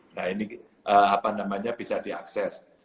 nah ini apa namanya bisa diakses